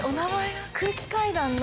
空気階段の。